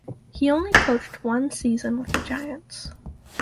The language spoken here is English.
He only coached one season with the Giants.